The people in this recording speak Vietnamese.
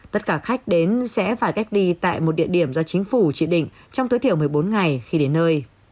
tất cả khách đến sẽ phải cách ly tại một địa điểm do chính phủ chỉ định trong tối thiểu một mươi bốn ngày khi đến nơi